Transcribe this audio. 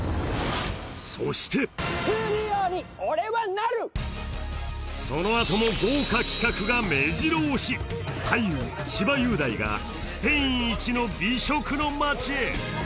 そしてそのあとも豪華企画がめじろ押し俳優千葉雄大がスペイン一の美食の街へ！